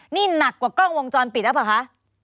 นี่หนักกว่ากล้องวงจรปิดหรือเปล่าคะ